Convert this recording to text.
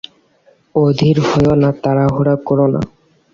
অধীর হয়ো না, তাড়াহুড়ো করো না।